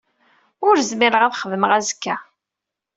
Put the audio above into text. Ur zmireɣ ad xedmeɣ azekka.